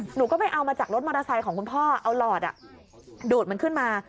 หนูก็ไปเอามาจากรถมอเตอร์ไซค์ของคุณพ่อเอาหลอดดูดมันขึ้นมา